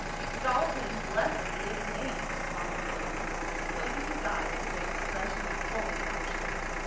" Exalted and blessed be his name !" responded the other, closing his eyes with an expression of holy rapture.